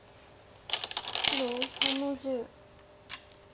白３の十。